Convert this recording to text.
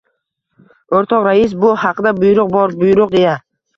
— O’rtoq rais, bu haqda buyruq bor, buyruq! — deya